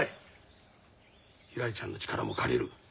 ひらりちゃんの力も借りる。